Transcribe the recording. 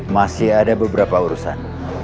masih ada beberapa urusan